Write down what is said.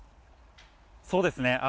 そうですね。